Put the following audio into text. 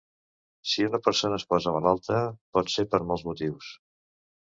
Si una persona es posa malalta pot ser per molts motius.